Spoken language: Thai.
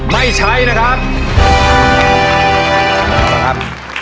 ไม่ใช้นะครับ